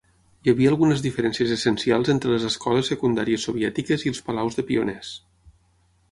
Hi havia algunes diferències essencials entre les escoles secundàries soviètiques i els palaus de pioners.